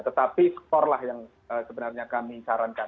tetapi skorlah yang sebenarnya kami sarankan